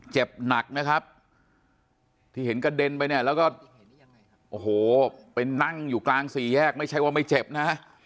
เจ็บหนักนะครับที่เห็นกระเด็นไปเนี่ยแล้วก็โอ้โหไปนั่งอยู่กลางสี่แยกไม่ใช่ว่าไม่เจ็บนะ